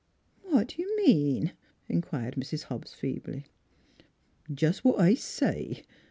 "What do you mean?" inquired Mrs. Hobbs feebly. " Jest what I say.